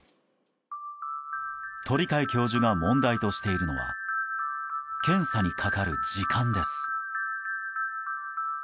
鳥養教授が問題としているのは検査にかかる時間です。